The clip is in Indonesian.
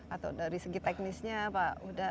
atau dari segi teknisnya pak uda